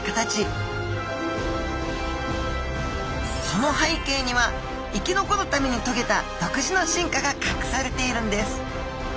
その背景には生き残るためにとげた独自の進化が隠されているんです！